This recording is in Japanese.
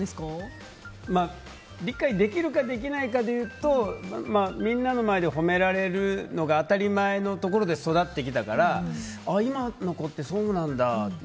理解できるかできないかで言うとみんなの前で褒められるのが当たり前のところで育ってきたから、今の子ってそうなんだって。